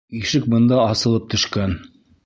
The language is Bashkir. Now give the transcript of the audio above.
Ишек бында асылып төшкән.